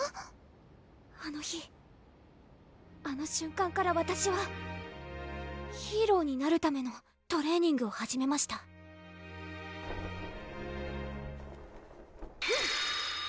あの日あの瞬間からわたしはヒーローになるためのトレーニングを始めましたフン！